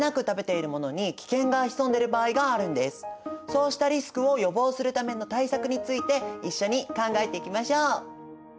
そうしたリスクを予防するための対策について一緒に考えていきましょう！